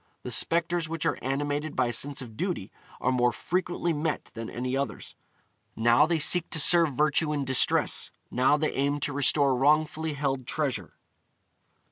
The spectres which are animated by a sense of duty are more frequently met than any others: now they seek to serve virtue in distress, now they aim to restore wrongfully held treasure.